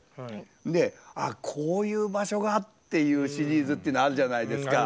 で「あっこういう場所が」っていうシリーズっていうのあるじゃないですか。